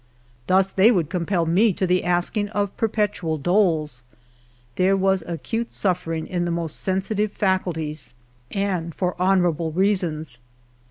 Thus they would compel me to; the asking of perpetual doles. There was acute suffer ino in the most sensitive faculties, and for honorable rea I 24 HALF A DIME A DAY. sons.